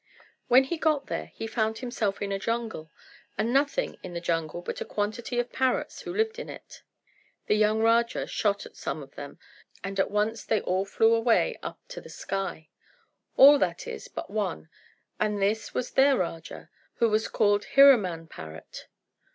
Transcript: When he got there, he found himself in a jungle, and nothing in the jungle but a quantity of parrots, who lived in it. The young Raja shot at some of them, and at once they all flew away up to the sky. All, that is, but one, and this was their Raja, who was called Hiraman parrot.